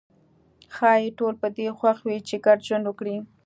ښايي ټول په دې خوښ وي چې ګډ ژوند وکړي.